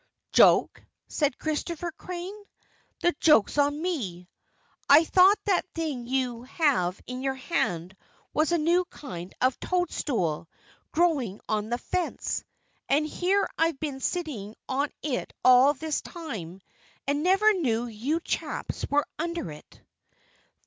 "Joke?" said Christopher Crane. "The joke's on me. I thought that thing you have in your hand was a new kind of toadstool, growing on the fence. And here I've been sitting on it all this time and never knew you chaps were under it!"